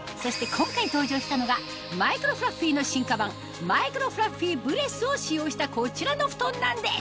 今回登場したのがマイクロフラッフィーの進化版マイクロフラッフィーブレスを使用したこちらの布団なんです